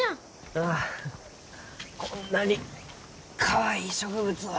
ああこんなにかわいい植物を。